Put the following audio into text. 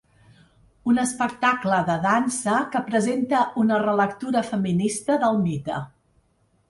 Un espectacle de dansa que presenta una relectura feminista del mite.